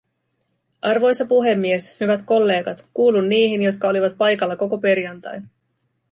Arvoisa puhemies, hyvät kollegat, kuuluin niihin, jotka olivat paikalla koko perjantain.